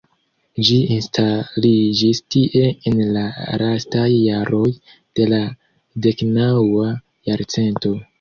Ĝi instaliĝis tie en la lastaj jaroj de la deknaŭa jarcento.